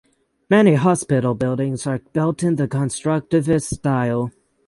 Many hospital buildings are built in the constructivist style.